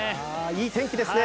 いい天気ですね。